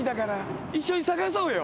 一緒に探そうよ。